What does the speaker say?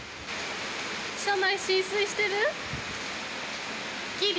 車内浸水してる？ぎり？